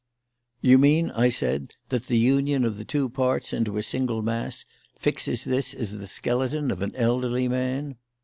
"You mean," I said, "that the union of the two parts into a single mass fixes this as the skeleton of an elderly man?"